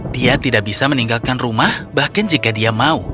dia tidak bisa meninggalkan rumah bahkan jika dia mau